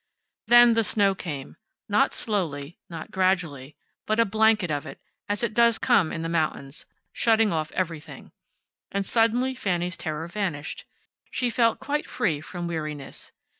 Then the snow came, not slowly, not gradually, but a blanket of it, as it does come in the mountains, shutting off everything. And suddenly Fanny's terror vanished. She felt quite free from weariness.